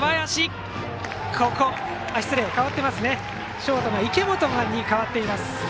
ショート、池本に代わっています。